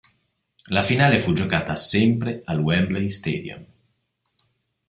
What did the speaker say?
La finale fu giocata sempre al Wembley Stadium.